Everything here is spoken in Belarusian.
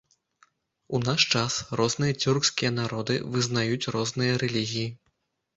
У наш час, розныя цюркскія народы вызнаюць розныя рэлігіі.